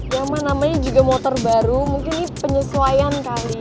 nama namanya juga motor baru mungkin ini penyesuaian kali